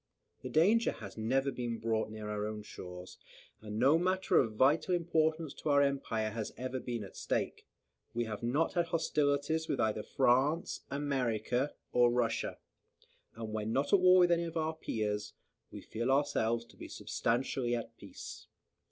The danger has never been brought near our own shores, and no matter of vital importance to our empire has ever been at stake. We have not had hostilities with either France, America, or Russia; and when not at war with any of our peers, we feel ourselves to be substantially at peace.